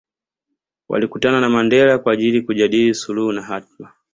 Walikutana na Mandela kwa ajili kujadili suluhu na hatma